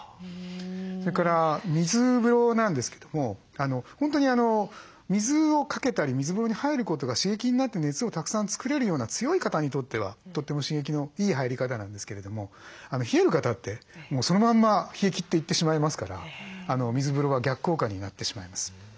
それから水風呂なんですけども本当に水をかけたり水風呂に入ることが刺激になって熱をたくさん作れるような強い方にとってはとても刺激のいい入り方なんですけれども冷える方ってそのまんま冷え切っていってしまいますから水風呂は逆効果になってしまいます。